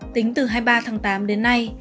tính từ hai mươi ba tháng tám đến nay